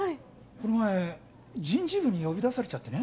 この前人事部に呼び出されちゃってね